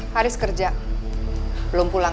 haris kerja belum pulang